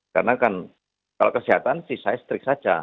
karena kan kalau kesehatan sih saya setrik saja